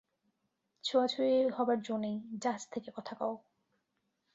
ছোঁয়াছুঁয়ি হবার যো নাই, জাহাজ থেকে কথা কও।